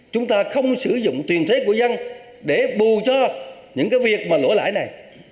chúng ta không sử dụng tuyền thế của dân để bù cho những việc lỗ lãi này